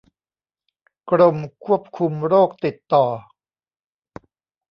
กรมควบคุมโรคติดต่อ